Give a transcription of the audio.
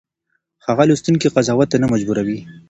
هغه لوستونکی قضاوت ته نه مجبوروي.